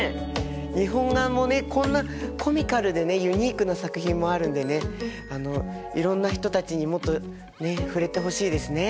日本画もねこんなコミカルでねユニークな作品もあるんでねいろんな人たちにもっとね触れてほしいですね。